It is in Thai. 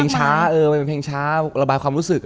จะเป็นเพลงช้าระบายความรู้สึก